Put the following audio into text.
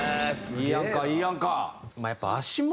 いいやんかいいやんか！